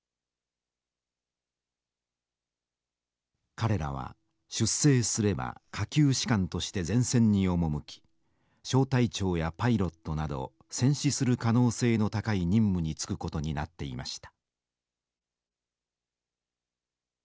彼らは出征すれば下級士官として前線に赴き小隊長やパイロットなど戦死する可能性の高い任務に就くことになっていました。